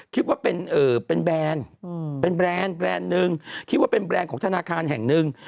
คิดว่าเป็นแบรนด์เป็นแบรนด์แบรนด์หนึ่งคิดว่าเป็นแบรนด์ของธนาคารแห่งหนึ่ง